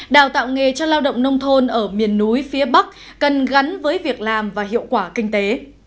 đào tạo nghề cho lao động nông thôn ở miền núi phía bắc cần gắn với việc làm và hiệu quả kinh tế